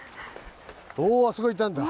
おあそこいたんだ。